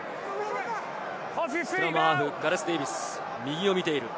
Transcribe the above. スクラムハーフ、ガレス・デーヴィス、右を見ている。